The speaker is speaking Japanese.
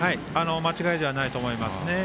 間違いではないと思います。